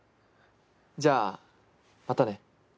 じゃあまたね。